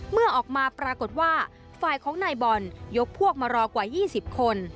เมื่อออกมาปรากฏว่าฝ่ายของนายบอลยกพวกมารอกว่า๒๐คน